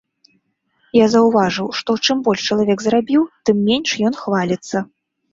Я заўважыў, што чым больш чалавек зрабіў, тым менш ён хваліцца.